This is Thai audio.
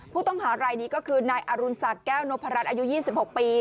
ผู้ต้องหารายนี้ก็คือนายอรุณศักดิ์แก้วนพรัชอายุ๒๖ปี